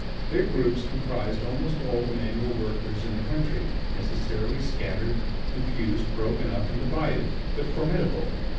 Their groups comprised almost all the manual workers in the country, necessarily scattered, confused, broken up, and divided, but formidable.